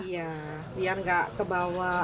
iya biar gak kebawa